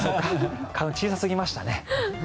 花粉小さすぎましたね。